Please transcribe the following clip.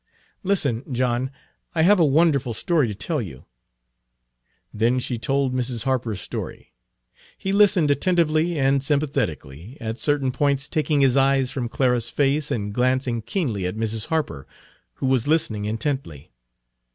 "Listen, John, I have a wonderful story to tell you." Then she told him Mrs. Harper's story. He listened attentively and sympathetically, at certain points taking his eyes from Clara's face and glancing keenly at Mrs. Harper, who was listening intently.